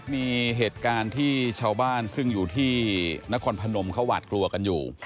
มีเหตุการณ์ที่ชาวบ้านซึ่งอยู่ที่นครพนมเขาหวาดกลัวกันอยู่